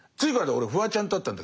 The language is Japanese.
俺フワちゃんと会ったんだけどさ